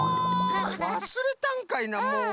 わすれたんかいなもう！